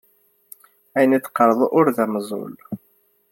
Ayen i d-teqqareḍ ur d ameẓẓul.